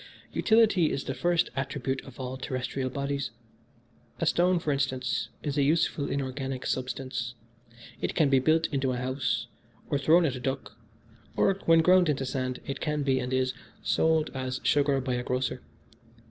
Utility is the first attribute of all terrestrial bodies. A stone, for instance, is a useful inorganic substance it can be built into a house, or thrown at a duck, or, when ground into sand, it can be, and is, sold as sugar by a grocer.